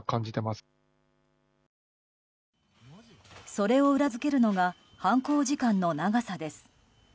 それを裏付けるのが犯行時間の長さです。